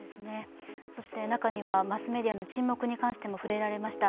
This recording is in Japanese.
そして、中にはマスメディアの沈黙に関しても触れられました。